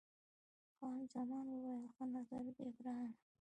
خان زمان وویل، ښه نظر دی ګرانه.